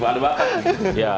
turus nih bang ya